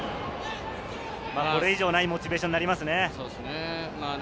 それ以上ないモチベーションになりますね。